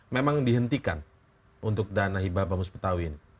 memang dihentikan untuk dana hibah bamus betawi ini